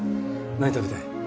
何食べたい？